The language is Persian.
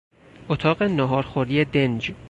اتاق ناهارخوری دنج